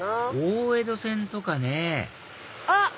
大江戸線とかねあっ